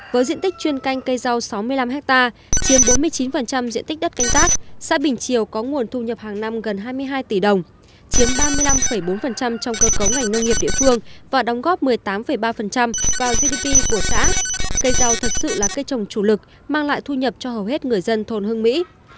với diện tích chuyên canh cây rau sáu mươi năm hectare chiếm bốn mươi chín diện tích đất canh tác xã bình triều có nguồn thu nhập hàng năm gần hai mươi hai tỷ đồng chiếm ba mươi năm bốn trong cơ cấu ngành nông nghiệp địa phương và đóng góp một mươi tám ba vào gdp của xã cây rau thực sự là cây trồng chủ lực mang lại thu nhập cho hầu hết người dân thôn hưng mỹ